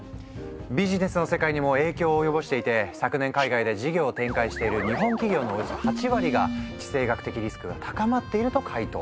ビジネスの世界にも影響を及ぼしていて昨年海外で事業を展開している日本企業のおよそ８割が「地政学的リスク」が高まっていると回答。